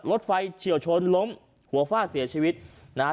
รถไฟเฉียวชนล้มหัวฟาดเสียชีวิตนะฮะ